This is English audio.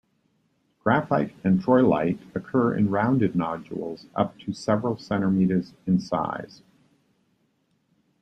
Graphite and troilite occur in rounded nodules up to several cm in size.